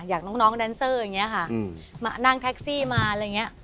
อย่างน้องแดนเซอร์อย่างนี้ค่ะมานั่งแท็กซี่มาอะไรอย่างนี้